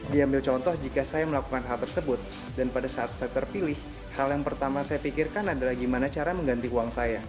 diambil contoh jika saya melakukan hal tersebut dan pada saat saya terpilih hal yang pertama saya pikirkan adalah gimana cara mengganti uang saya